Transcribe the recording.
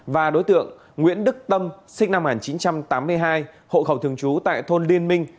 và đối tượng nguyễn đức tâm sinh năm một nghìn chín trăm tám mươi hai hộ khẩu thường trú tại thôn liên minh